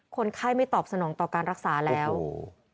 คนไข้ไม่ตอบสนองต่อการรักษาแล้วโอ้โห